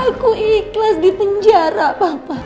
aku ikhlas di penjara papa